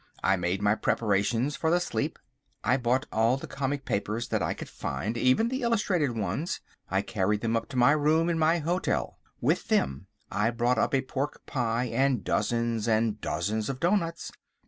I made my preparations for the sleep. I bought all the comic papers that I could find, even the illustrated ones. I carried them up to my room in my hotel: with them I brought up a pork pie and dozens and dozens of doughnuts.